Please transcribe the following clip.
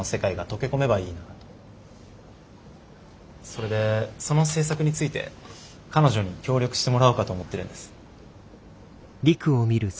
それでその制作について彼女に協力してもらおうかと思ってるんです。